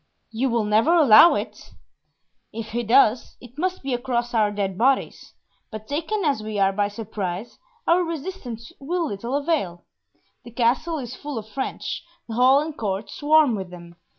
"You will never allow it?" "If he does, it must be across our dead bodies; but taken as we are by surprise, our resistance will little avail. The Castle is full of French, the hall and court swarm with them.